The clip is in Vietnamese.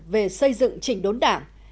về xây dựng trình đốn đảng